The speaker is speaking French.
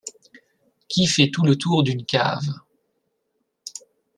Qui fait tout le tour d’une cave.